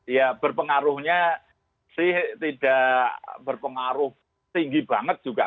ya berpengaruhnya sih tidak berpengaruh tinggi banget juga